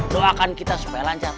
doakan kita supaya lancar